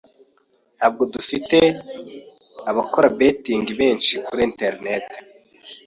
Ntabwo dufite abakora 'betting' benshi kuri Internet